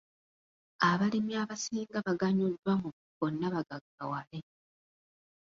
Abalimi abasinga baganyuddwa mu bonnabagaggawale.